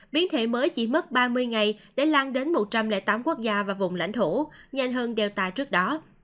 biến thể mới chỉ mất ba mươi ngày để lan đến một trăm linh tám quốc gia và vùng lãnh thổ nhanh hơn đeo ta trước đó